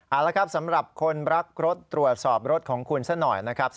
เอาละครับสำหรับคนรักรถตรวจสอบรถของคุณซะหน่อยนะครับ